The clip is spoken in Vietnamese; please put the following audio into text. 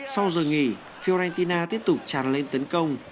sau giờ nghỉ argentina tiếp tục tràn lên tấn công